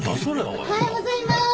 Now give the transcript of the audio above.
・おはようございます。